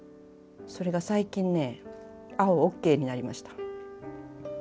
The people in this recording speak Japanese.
それが最近ね青ＯＫになりました。